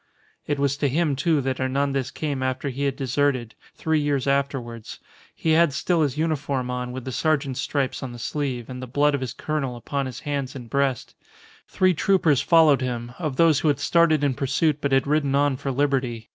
It was to him, too, that Hernandez came after he had deserted, three years afterwards. He had still his uniform on with the sergeant's stripes on the sleeve, and the blood of his colonel upon his hands and breast. Three troopers followed him, of those who had started in pursuit but had ridden on for liberty.